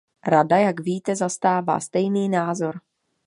Rada, jak víte, zastává stejný názor.